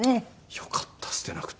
よかった捨てなくて。